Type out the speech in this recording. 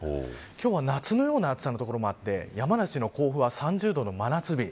今日は夏のような暑さの所もあって山梨の甲府は３０度の真夏日。